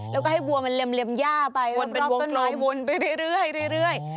แล้วก็ให้วัวมันเล็มหญ้าไปวนเป็นวงวนไปเรื่อย